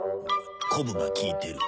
コブが利いてる。